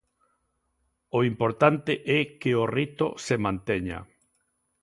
O importante é que o rito se manteña.